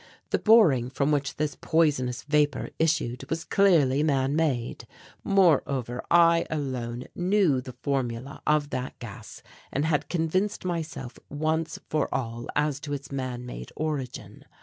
The boring from which this poisonous vapour issued was clearly man made; moreover I alone knew the formula of that gas and had convinced myself once for all as to its man made origin.